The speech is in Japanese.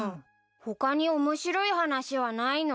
他に面白い話はないの？